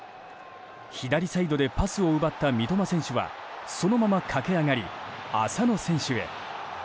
左サイドでパスを奪った三笘選手はそのまま駆け上がり浅野選手へ。